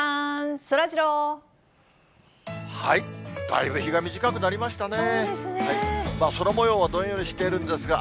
だいぶ日が短くなりましたね。